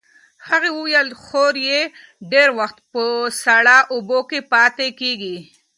هغې وویل خور یې ډېر وخت په ساړه اوبو کې پاتې کېږي.